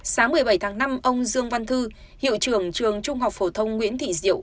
sáng một mươi bảy tháng năm ông dương văn thư hiệu trưởng trường trung học phổ thông nguyễn thị diệu